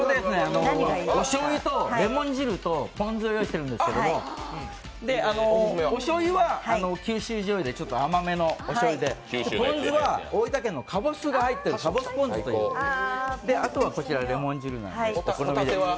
おしょうゆとレモン汁とぽん酢を用意しているんですがおしょうゆは九州じょうゆでちょっと甘めのおしょうゆでポン酢は大分県のかぼすが入っている、かぼすポン酢、あとはレモン汁なのでお好みで。